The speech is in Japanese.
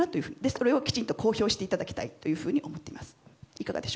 それをきちんと公表していただきたいと思っています。